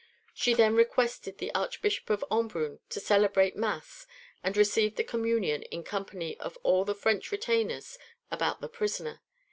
She then requested the Archbishop of Embrun to celebrate mass, and received the communion in company of all the French retainers about the prisoner.